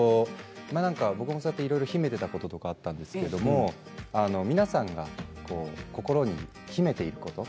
僕もいろいろ秘めていたこととかなんですけど皆さんが心に秘めていること。